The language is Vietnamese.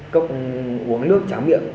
vâng uống nước tráng miệng